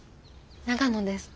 長野です。